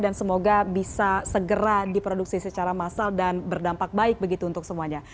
dan semoga bisa segera diproduksi secara massal dan berdampak baik begitu untuk semuanya